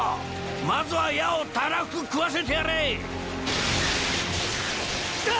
まずは矢をたらふく食わせてやれィ！来た！